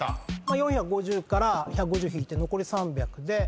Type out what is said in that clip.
４５０から１５０引いて残り３００で。